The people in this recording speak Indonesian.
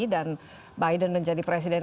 dan biden menjadi presiden